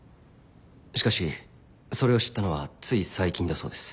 しかしそれを知ったのはつい最近だそうです。